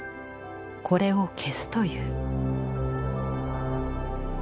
これを消すという。